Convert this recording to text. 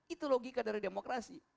itu logika dari demokrasi